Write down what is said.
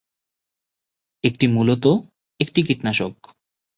একটি মূলত একটি কীটনাশক।